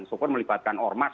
supur melibatkan ormas